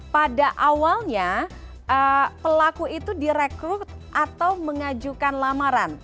pada awalnya pelaku itu direkrut atau mengajukan lamaran